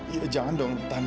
ya jangan dong tan